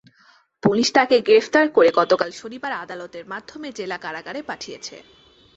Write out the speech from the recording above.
Police তাঁকে গ্রেপ্তার করে গতকাল শনিবার আদালতের মাধ্যমে জেলা কারাগারে পাঠিয়েছে।